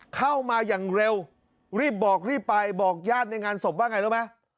เข้ามาอย่างเร็วรีบบอกรีบไปบอกญาติในงานศพว่าไงรู้ไหม